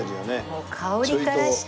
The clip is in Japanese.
もう香りからして。